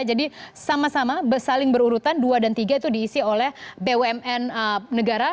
jadi sama sama saling berurutan dua dan tiga itu diisi oleh bumn negeri